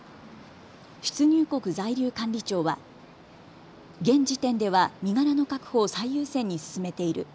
出入国在留管理庁は現時点では身柄の確保を最優先に進めている。